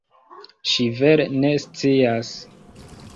Ŝi vere ne scias.